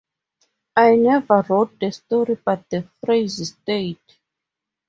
I never wrote the story but the phrase stayed.